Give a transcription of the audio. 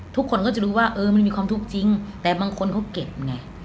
ทุกคนก็จะรู้ว่าเออมันมีความทุกข์จริงแต่บางคนเขาเก็บไง